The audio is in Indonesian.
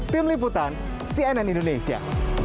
tim liputan cnn indonesia